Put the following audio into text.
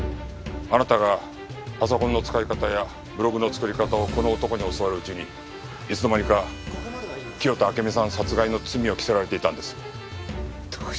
あなたがパソコンの使い方やブログの作り方をこの男に教わるうちにいつのまにか清田暁美さん殺害の罪を着せられていたんです。